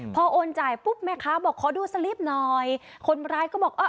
พอโอนจ่ายปุ๊บแม่ค้าบอกขอดูสลิปหน่อยคนร้ายก็บอกเออ